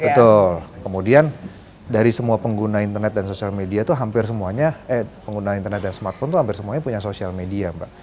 betul kemudian dari semua pengguna internet atau smartphone tuh hampir semuanya punya sosial media mbak